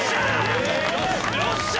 よっしゃ！